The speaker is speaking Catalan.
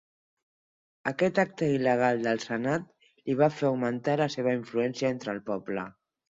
Aquest acte il·legal del senat li va fer augmentar la seva influència entre el poble.